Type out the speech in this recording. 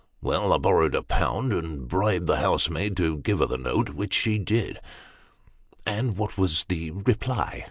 Well, I borrowed a pound, and bribed the housemaid to give her the note, which she did." "And what was the reply?"